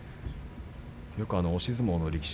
押し相撲の力士。